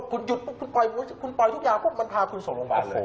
คุณหยุดคุณปล่อยทุกอย่างมันพาคุณส่งโรงพยาบาลเลย